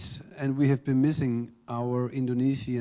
dan kami telah menghilangkan penduduk indonesia